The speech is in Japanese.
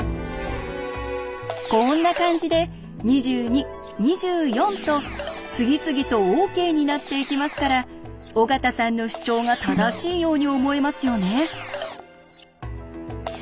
こんな感じで２２２４と次々とＯＫになっていきますから尾形さんの主張が正しいように思えますよね。